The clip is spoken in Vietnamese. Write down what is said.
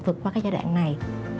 vượt qua cái giai đoạn này